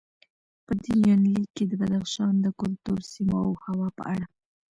په دې یونلیک کې د بدخشان د کلتور، سیمو او هوا په اړه